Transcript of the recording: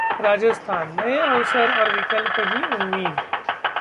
राजस्थानः नए अवसर और विकल्प ही उम्मीद